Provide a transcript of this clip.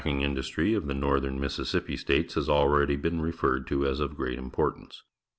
The meat p ajldng in dustry of the Northern Mississippi States has already been referred to as of great importance.